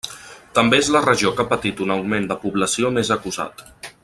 També és la regió que ha patit un augment de població més acusat.